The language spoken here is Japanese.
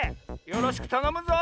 よろしくたのむぞ！